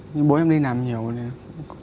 nhưng bố em đi làm nhiều rồi nên